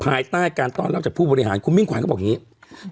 ภายใต้การตอบเล่าจับผู้บริหารคุณมิ่งขวัญเขาบอกอย่างงี้